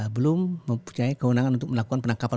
belum mempunyai kewenangan untuk melakukan penangkapan